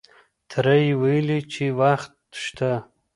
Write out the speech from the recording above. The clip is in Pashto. تره یې ویلې چې وخت شته.